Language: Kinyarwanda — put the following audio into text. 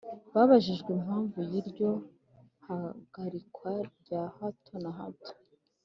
Yabajijwe impamvu y’ iryo hagarikwa rya hato na hato